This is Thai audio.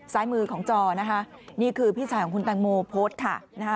ซ้ายมือของจอนะคะนี่คือพี่ชายของคุณแตงโมโพสต์ค่ะนะคะ